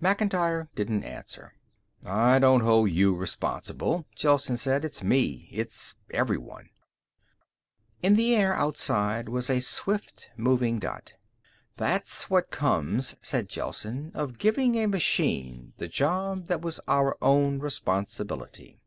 Macintyre didn't answer. "I don't hold you responsible," Gelsen said. "It's me. It's everyone." In the air outside was a swift moving dot. "That's what comes," said Gelsen, "of giving a machine the job that was our own responsibility."